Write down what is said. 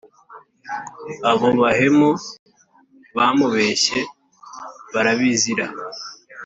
abo bahemu bamubeshye barabizira